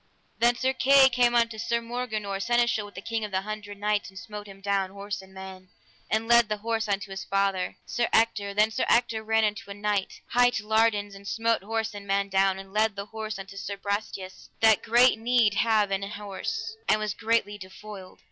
Then Sir Kay came unto Sir Morganore, seneschal with the King of the Hundred Knights, and smote him down, horse and man, and led the horse unto his father, Sir Ector; then Sir Ector ran unto a knight, hight Lardans, and smote horse and man down, and led the horse unto Sir Brastias, that great need had of an horse, and was greatly defoiled.